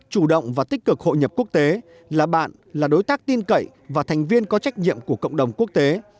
chủ động và tích cực hội nhập quốc tế là bạn là đối tác tin cậy và thành viên có trách nhiệm của cộng đồng quốc tế